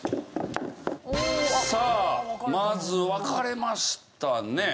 さあまず分かれましたね。